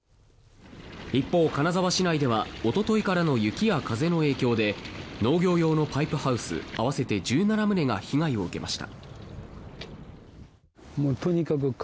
一方、金沢市内ではおとといからの雪や風の影響で農業用のパイプハウス合わせて１７棟が被害を受けました。